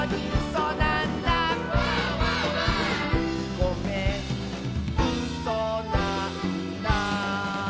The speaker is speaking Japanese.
「ごめんうそなんだ」